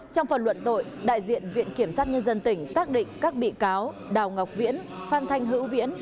trong phần luận tội đại diện viện kiểm sát nhân dân tỉnh xác định các bị cáo đào ngọc viễn phan thanh hữu viễn